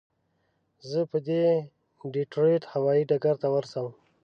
زه به دې ډیترویت هوایي ډګر ته ورسوم.